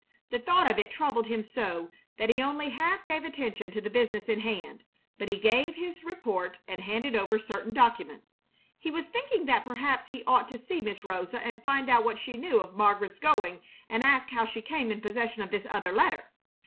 The thought of it troubled him so that he only half gave attention to the business in hand; but he gave his report and handed over certain documents. He was thinking that perhaps he ought to see Miss Rosa and find out what she knew of Margaret's going and ask how she came in possession of this other letter.